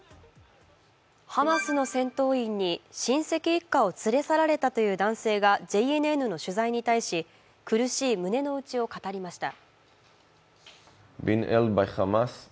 ハマスの戦闘員に親戚一家を連れ去られたという男性がＪＮＮの取材に対し、苦しい胸のうちを語りました